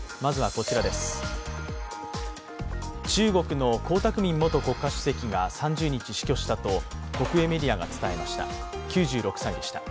中国の江沢民元国家主席が３０日死去したと国営メディアが伝えました。